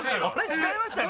違いましたっけ？